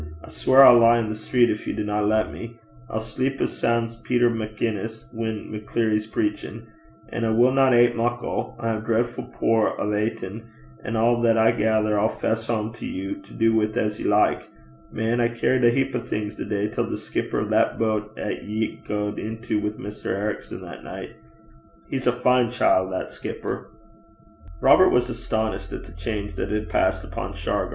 I sweir I'll lie i' the street gin ye dinna lat me. I'll sleep as soun' 's Peter MacInnes whan Maccleary's preachin'. An' I winna ate muckle I hae a dreidfu' pooer o' aitin' an' a' 'at I gether I'll fess hame to you, to du wi' 't as ye like. Man, I cairriet a heap o' things the day till the skipper o' that boat 'at ye gaed intil wi' Maister Ericson the nicht. He's a fine chiel' that skipper!' Robert was astonished at the change that had passed upon Shargar.